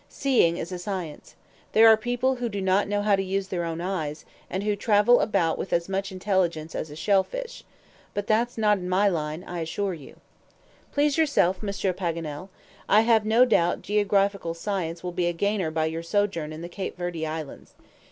Seeing is a science. There are people who do not know how to use their eyes, and who travel about with as much intelligence as a shell fish. But that's not in my line, I assure you." "Please yourself, Monsieur Paganel. I have no doubt geographical science will be a gainer by your sojourn in the Cape Verde Islands.